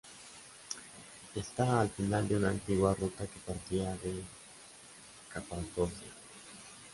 Está al final de una antigua ruta que partía de Capadocia.